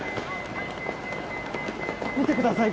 見てください